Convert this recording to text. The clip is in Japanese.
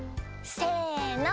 せの！